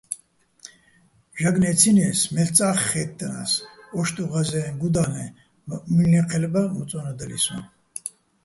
ჟაგნო̆ ე́ცინეს, მელ'წა́ხ ხაჲტტნა́ს, ო́შტუჼ ღაზეჼ გუდა́ლ'ე, მუჲლნე́ჴელბა მოწო́ნადალირ სოჼ.